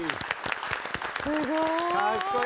すごい。